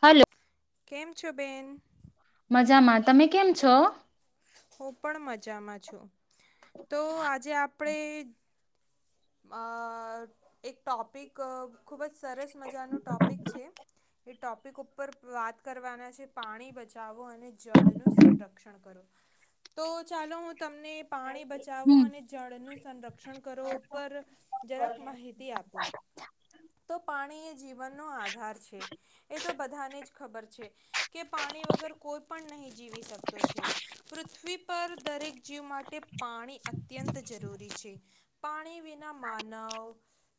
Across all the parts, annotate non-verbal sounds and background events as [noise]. હાલો. કેમ છો બેન? મજામાં. તમે કેમ છો? હું પણ મજામાં છું, તો આજે આપણે અ એક ટોપિક ખૂબ જ સરસ મજાનું ટોપિક છે. એ ટોપિક ઉપર વાત કરવાના છે, પાણી બચાવો અને જળનું સંરક્ષણ કરો. તો ચાલો, હું તમને પાણી બચાવો હમ અને જળનું સંરક્ષણ કરો. પર જરક માહિતી આપું, તો પાણી જીવનનો આધાર છે, એ તો બધાને જ ખબર છે. કે પાણી વગર કોઈ પણ નહીં જીવી શકતો છે, પૃથ્વી પર દરેક જીવ માટે પાણી અત્યંત જરૂરી છે, પાણી વિના માનવ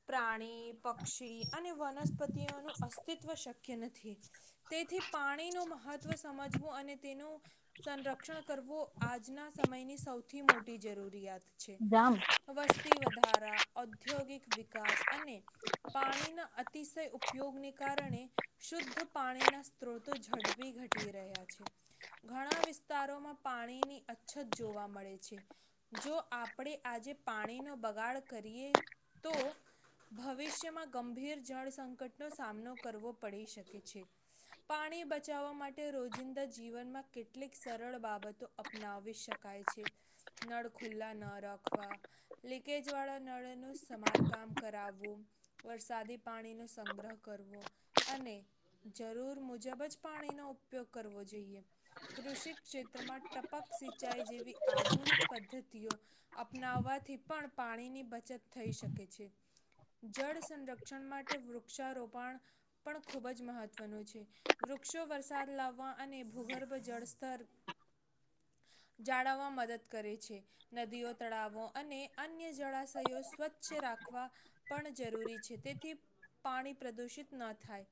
પ્રાણી, પક્ષી અને વનસ્પતિઓનું અસ્તિત્વ શક્ય નથી. તેથી પાણી નું મહત્વ સમજવું, અને તેનું સંરક્ષણ કરવું, આજના સમયની સૌથી મોટી જરૂરિયાત વસ્તી વધારા, ઔદ્યોગિક વિકાસ અને પાણીના અતિશય ઉપયોગને કારણે શુદ્ધ પાણીના સ્ત્રોતો ઝડપી ઘટી રહ્યા છે. ઘણા વિસ્તારોમાં પાણીની અછત જોવા મળે છે. જો આપણે આજે પાણીનો બગાડ કરીએ તો? ભવિષ્યમાં ગંભીર જળ સંકટનો સામનો કરવો પડી શકે છે. પાણી બચાવવા માટે, રોજિંદા જીવનમાં કેટલીક સરળ બાબતો અપનાવી શકાય છે, નળ ખુલ્લા ન રાખવા લીકેજ વાળા નળ નું સમારકામ કરાવવું, વરસાદી પાણી નો સંગ્રહ કરવો. અને જરૂર મુજબ જ પાણીનો ઉપયોગ કરવો જોઈએ. કૃષિ ક્ષેત્રમાં ટપક સિંચાઈ જેવી આધુનિક પદ્ધતિઓ અપનાવવાથી પણ પાણીની બચત થઈ શકે છે. જળ સંરક્ષણ માટે વૃક્ષારોપણ પણ ખૂબ જ મહત્વનું છે. વૃક્ષો વરસાદ લાવવા, અને ભૂગર્ભ જળસ્તર જાળવવામાં મદદ કરે છે, નદીઓ, તળાવો અને અન્ય જળાશ થયો, સ્વચ્છ રાખવા પણ જરૂરી છે, તેથી પાણી પ્રદૂષિત ન થાય.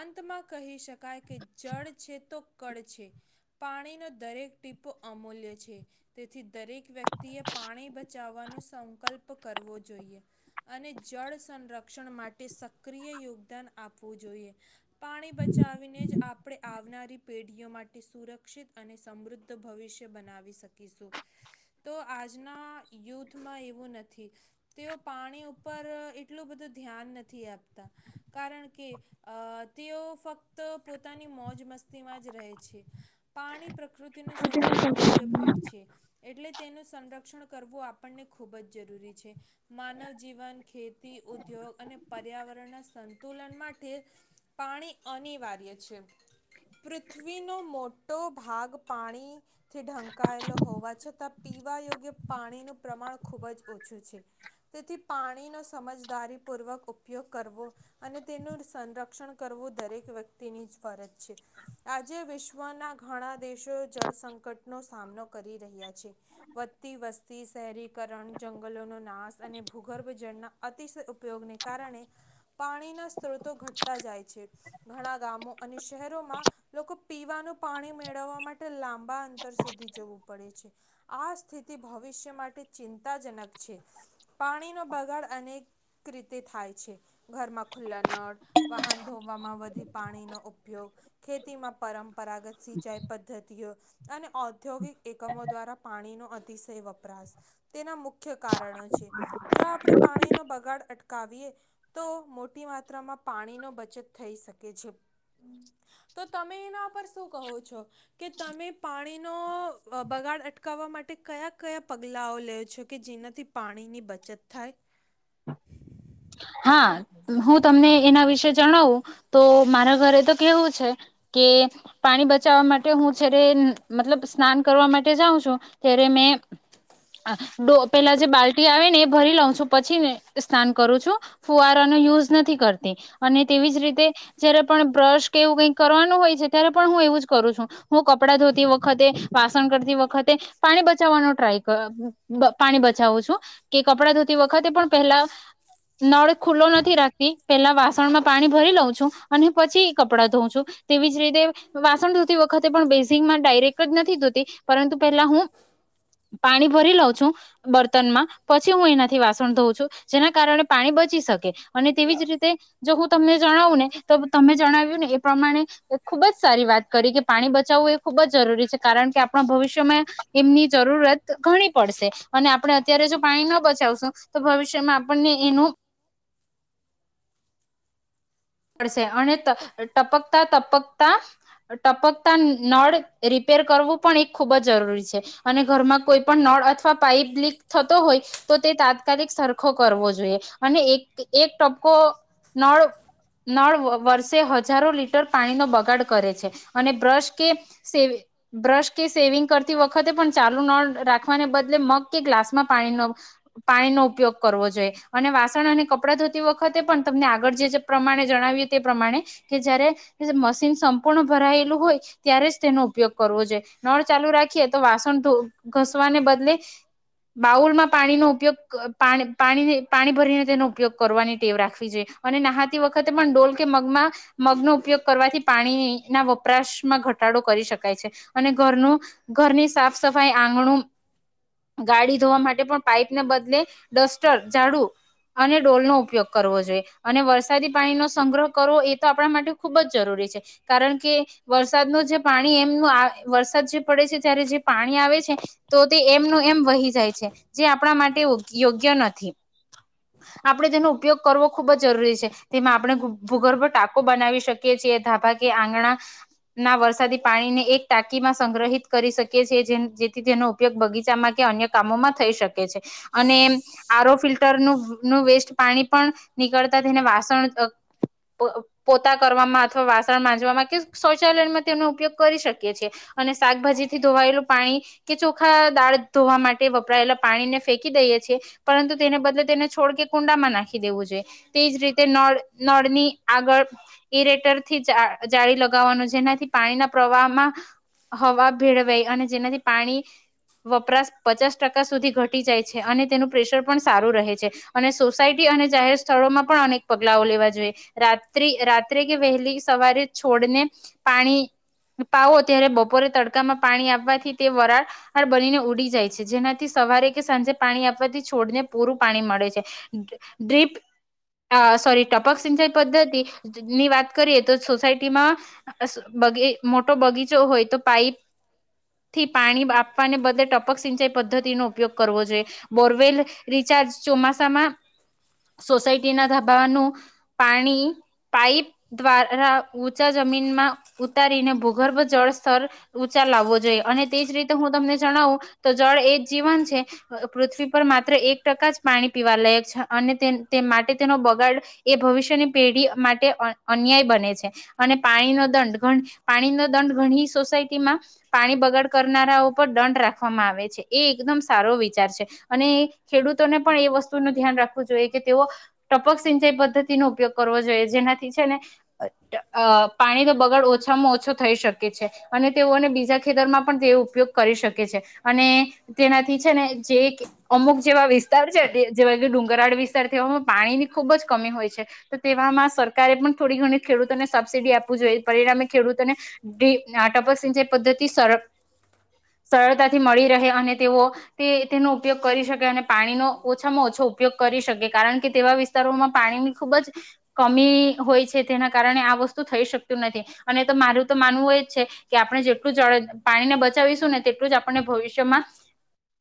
અંતમાં કહી શકાય, કે જળ છે, તો કડ છે. પાણીનો દરેક ટીપો અમૂલ્ય છે. તેથી દરેક વ્યક્તિએ પાણી બચાવવાનો સંકલ્પ કરવો જોઈએ. અને જળ સંરક્ષણ માટે સક્રિય યોગદાન આપવું જોઈએ. પાણી બચાવીને જ, આપણે આવનારી પેઢીઓ માટે સુરક્ષિત અને સમૃદ્ધ ભવિષ્ય બનાવી શકીશું, તો આજના યુથમાં એવું નથી. તેઓ પાણી ઉપર એટલું બધું ધ્યાન નથી આપતા. કારણ કે, અ તેઓ ફક્ત પોતાની મોજ મસ્તીમાં જ રહે છે. પાણી પ્રકૃતિનો સૌથી અમૂલ્ય ભેટ છે. એટલે તેનું સંરક્ષણ કરવું, આપણને ખૂબ જ જરૂરી છે. માનવ જીવન ખેતી, ઉદ્યોગ અને પર્યાવરણના સંતુલન માટે. પાણી અનિવાર્ય છે. પૃથ્વીનો મોટો ભાગ પાણી થી ઢંકાયેલો હોવા છતાં, પીવા યોગ્ય પાણીનું પ્રમાણ ખૂબ જ ઓછું છે. તેથી પાણીનો સમજદારીપૂર્વક ઉપયોગ કરવો. અને તેનું સંરક્ષણ કરવું, દરેક વ્યક્તિની જ ફરજ છે. આજે વિશ્વના ઘણા દેશો જળ સંકટનો સામનો કરી રહ્યા છે. વધતી વસ્તી શહેરીકરણ જંગલોનો નાશ અને ભૂગર્ભ જળના અતિશ ઉપયોગને કારણે પાણીના સ્ત્રોતો ઘટતા જાય છે ઘણા ગામો અને શહેરોમાં લોકો પીવાનું પાણી મેળવવા માટે લાંબા અંતર સુધી જવું પડે છે. આ સ્થિતિ ભવિષ્ય માટે ચિંતાજનક છે પાણીનો બગાડ અને રીતે થાય છે ઘરમાં ખુલ્લા નળ વાહન ધોવામાં વધી પાણીનો ઉપયોગ ખેતીમાં પર પરાગત સિંચાઈ પદ્ધતિઓ અને ઔદ્યોગિક એકમો દ્વારા પાણીનો અતિશય વપરાશ તેના મુખ્ય કારણો છે જો આપણે પાણીનો બગાડ અટકાવીએ તો મોટી માત્રામાં પાણીનો બચત થઈ શકે છે. તો તમે એના પર શું કહો છો. કે તમે પાણીનો બગાડ અટકાવવા માટે કયા કયા પગલાઓ લેયો. છો કે જેનાથી પાણીની બચત થાય. હા હું તમને એના વિશે જણાવું તો મારા ઘરે તો કેવું છે કે પાણી બચાવવા માટે હું જારે મતલબ સ્નાન કરવા માટે જાઉં છું ત્યારે મેં હ ડો પેલા જે બાલ્ટી આવે ને એ ભરી લઉ છું પછી ને સ્નાન કરું છું. ફુવારાનો યુઝ નથી કરતી અને તેવી જ રીતે જયારે પણ બ્રશ કે એવું કઈક કરવાનું હોય છે ત્યારે પણ હું એવું જ કરું છું. હું કપડા ધોતી વખતે વાસણ કરતી વખતે પાણી બચાવવાનો ટ્રાય કરું પાણી બચાવું છું. કે કપડાં ધોતી વખતે પણ પહેલા નળ ખુલ્લો નથી રાખતી પેલા વાસણ માં પાણી ભરી લઉં છું અને પછી કપડાં ધોઉં છું. તેવી જ રીતે વાસણ ધોતી વખતે પણ બેઝીગમાં ડાયરેક્ટ જ નથી ધોતી પરંતુ પેલા હું પાણી ભરી લઉં છું બર્તનમાં પછી હું એનાથી વાસણ ધોઉં છું જેના કારણે પાણી બચી શકે અને તેવી જ રીતે જો હું તમને જણાવું ને તો તમે જણાવ્યું ને એ પ્રમાણે એ ખુબ જ સારી વાત કરી કે પાણી બચાવવું એ ખુબ જ જરૂરી છે કારણ કે આપણા ભવિષ્યમાં એમની જરૂરત ઘણી પડશે અને આપણે અત્યારે જો પાણી ન બચાવશું તો ભવિષ્યમાં આપણને એનું પડશે અને ટપકતા ટપકતા ટપકતા નળ રિપેર કરવું પણ એ ખુબ જ જરૂરી છે. અને ઘરમાં કોઈ પણ નળ અથવા પાઈપ લીક થતો હોય તો તે તાત્કાલિક સરખો કરવો જોઈએ અને એક એક ટપકો નળ નળ વર્ષે હજારો લીટર પાણીનો બગાડ કરે છે અને બ્રશ કેે સે બ્રશ કે સેવિંગ કરતી વખતે પણ ચાલુ ન રાખવાને બદલે મગ કે ગ્લાસમાં પાણી ન પાણીનો ઉપયોગ કરવો જોઈએ અને વાસણ અને કપડાં ધોતી વખતે પણ તમને આગળ જે પ્રમાણે જણાવ્યું તે પ્રમાણે કે જયારે મશીન સંપૂર્ણ ભરાયેલું હોય ત્યારે જ તેનો ઉપયોગ કરવો જોઈએ નળ ચાલુ રાખીએ તો વાસણ ઘસવાને બદલે બાઉલમાં પાણીનો ઉપયોગ પા પાણી પાણી ભરીને તેનો ઉપયોગ કરવાની ટેવ રાખવી જોઈએ. અને નાહતી વખતે પણ ડોલ કે મગમાં મગનો ઉપયોગ કરવાથી પાણી ના વપરાશમાં ઘટાડો કરી શકાય છે અને ઘરનું ઘરની સાફ સફાઈ આંગણું ગાડી ધોવા માટે પણ પાઈપને બદલે ડસ્ટર ઝાડુ અને ડોલ નો ઉપયોગ કરવો જોઈએ અને વર્ષ વરસાદી પાણીનો સંગ્રહ કરવો એ તો આપણા માટે ખૂબ જ જરૂરી છે કારણ કે વરસાદનું જે પાણી એમનું આવે વરસાદ જે પડે છે ત્યારે જે પાણી આવે છે તો તે એમનું એમ વહી જાય છે જે આપણા માટે યોગ્ય નથી. આપણે તેનો ઉપયોગ કરવો ખુબ જ જરૂરી છે. તેમાં આપણે ભૂગર્ભ ટાકો બનાવી શકીએ છીએ ધાબા કે આંગણા ના વરસાદી પાણીને એક ટાંકીમાં સંગ્રહિત કરી શકીએ છે જેથી તેનો ઉપયોગ બગીચામાં કે અન્ય કામોમાં થઈ શકે છે અને આરો ફિલ્ટરનું નું વેસ્ટ પાણી પણ નીકળતા થઈને વાસણ પોતા કરવામાં અથવા વાસણ માંજવામાં કે શૌચાલયમાં તેમનો ઉપયોગ કરી શકીએ છીએ અને શાકભાજી થી ધોવાયેલું પાણી કે ચોખા દાળ ધોવા માટે વપરાયેલા પાણીને ફેંકી દઈએ છીએ પરંતુ તેને બદલે તેને છોડ કે કુંડામાં નાખી દેવું જોઈએ તે જ રીતે તે નળ નળની આગળ ઈરેટર થી જાળી લગાવવાનું જેનાથી પાણીના પ્રવાહમાં હવા ભેળવાઈ અને જેનાથી પાણી વપરાશ પચાસ ટકા સુધી ઘટી જાય છે અને તેનું પ્રેશર પણ સારું રહે છે અને સોસાયટી અને જાહેર સ્થળોમાં પણ અનેક પગલાઓ લેવા જોઈએ રાત્ર રાત્રે કે વહેલી સવારે છોડને પાણી પાવો ત્યારે બપોરે તડકામાં પાણી આપવાથી તે વરાળ બની ને ઉડી જાય છે જેનાથી સવારે કે સાંજે પાણી આપવાથી છોડને પૂરું પાણી મળે છે દ્રીપ અ સોરી ટપક સિંચાઈ પદ્ધતિ ની વાત કરીએ તો સોસાયટીમાં બગી મોટો બગીચો હોય તો પાઈપ થી પાણી આપવાને બદલે ટપક સિંચાઈ પદ્ધતિનો ઉપયોગ કરવો જોઈએ બોરવેલ રિચાર્જ ચોમાસામાં સોસાયટી ના ધબાવાનું પાણી પાઇપ દ્વારા ઊંચા જમીનમાં ઉતારીને ભૂગર્ભ જળ સ્તર ઉંચા લાવવો જોઈએ અને તેજ રીતે હું તમને જણાવું તો જળ એ જીવન છે પૃથ્વી પર માત્ર એક ટકા જ પાણી પીવા લયક છે અને તે માટે તેનો બગાડ એ ભવિષ્યની પેઢી માટે અન્યાય બને છે અને પાણી નો દંડ પાણી નો દંડ ઘણી સોસાયટીમાં પાણી બગડ કરનારા ઉપર દંડ રાખવામાં આવે છે એ એકદમ સારો વિચાર છે અને ખેડૂતોને પણ એ વસ્તુ ન ધ્યાન રાખવું જોઈએ કે તેઓ ટપક સિંચાઈ પદ્ધતિ નો ઉપયોગ કરવો જોઈએ જેનાથી છે ને અ પાણી બગડ ઓછામાં ઓછો થઈ શકે છે અને તેઓને બીજા ખેતરમાં પણ તે ઉપયોગ કરી શકે છે અને તેનાથી છે ને જે એક અમુક જેવા વિસ્તાર છે જેવા કે ડુંગરાળ વિસ્તાર અમુક પાણીની ખૂબ જ કમી હોય છે તો તેવામાં સરકારે પણ થોડી ઘણી ખેડૂતોને સબસિડી આપવું જોઈએ પરિણામે ખેડૂતોને ટપક સિંચાઈ પદ્ધતિ સર સરળતાથી મળી રહે અને તેઓ તે તેનો ઉપયોગ કરી શકે અને પાણીનો ઓછામાં ઓછો ઉપયોગ કરી શકે કારણ કે તેવા વિસ્તારોમાં પાણીની ખૂબ જ કમી હોય છે તેના કારણે આ વસ્તુ થઈ શકતું નથી અને તો મારું તો માનવું હોય જ છે કે આપણે જેટલું જળ પાણીને બચાવીશું ને તેટલું જ આપણે ભવિષ્યમાં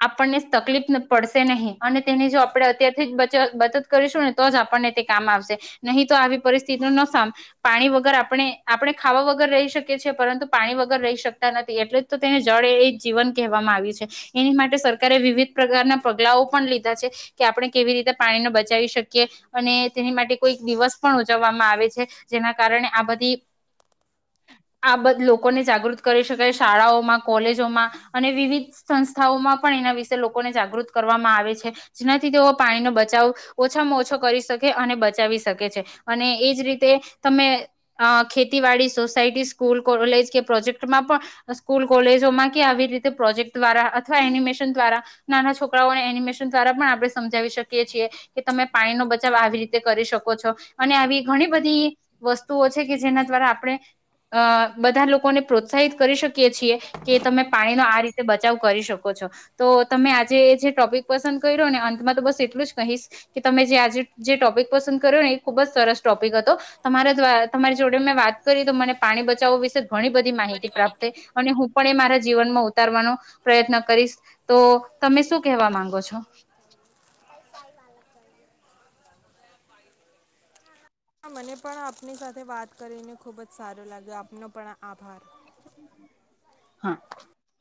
આપણને તકલીફ પડશે નહી અને તેને જો આપડે અત્યારથી જ બચ કરીશું ને તો જ આપણને તે કામ આવશે નહીં તો આવી પરિસ્થિતિ નો સા પાણી વગર આપણે આપણે ખાવા વગર રહી શકીએ છીએ પરંતુ પાણી વગર રહી શકતા નથી એટલે- - તો તેને જળે એ જીવન કહેવામાં આવ્યું છે. એની માટે સરકારે વિવિધ પ્રકારના પગલાઓ પણ લીધા છે કે આપણે કેવી રીતે પાણીનો બ- - અને તેની માટે કોઈ દિવસ પણ ઉજવવામાં આવે છે. જેના કારણે આ બધી- - આ બ લોકોને જાગૃત કરી શકાય શાળાઓમાં- - કોલેજોમાં અને વિવિધ સંસ્થાઓમાં પણ એના વિશે - લોકોને જાગૃત કરવામાં આવે છે જેનાથી તેઓ પાણીનો બચાવ- - ઓછામાં ઓછો કરી શકે અને બચાવી શકે છે અને એજ રીતે- - તમે ખેતીવાડી સોસાયટી સ્કૂલ કોલેજ કે પ્રોજેક્ટમાં પણ- - સ્કૂલ કોલેજોમાં કે આવી રીતે પ્રોજેક્ટ દ્વારા અથવા એનિમેશન દ્વારા- - નાના છોકરાઓને એનિમેશન દ્વારા પણ આપણે સમજાવી શકીએ છીએ. તમે પાણી નો બચાવ આવી રીતે કરી શકો છો અને આવી ઘણી બધી- - વસ્તુઓ છે કે જેના દ્વારા આપણે અ બધા લોકોને પ્રોત્સાહિત કરી શકીએ છીએ. કે તમે પાણીનો આ રીતે બચાવ કરી શકો છો. તો તમે આજે જે ટોપિક પસંદ કર્યો ને અંતમાં તો બસ એટલું જ કહીશ- - કે તમે જે આજે જે ટોપિક પસંદ કર્યો ને એ ખુબ જ સરસ ટોપિક હતો તમારા દ્વારા- - તમારી જોડે મેં વાત કરી તો મને પાણી બચાવવો વિશે ઘણી બધી માહિતી પ્રાપ્ત થઈ. અને હું પણ એ મારા જીવનમાં ઉતારવાનો પ્રયત્ન કરીશ. તો તમે શું કહેવા માંગો છો? [inaudible] [inaudible] હ મને પણ આપની સાથે વાત કરીને ખૂબ જ સારો લાગ્યો આપનો પણ આભાર. હા.